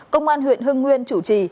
công an huyện hưng nguyên chủ trì